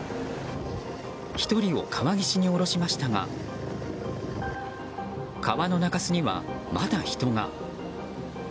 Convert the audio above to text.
１人を川岸に降ろしましたが川の中州にはまだ人が。